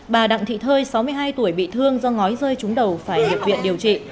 bà đặng thị thơi sáu mươi hai tuổi bị thương do ngói rơi trúng đầu phải nhập viện điều trị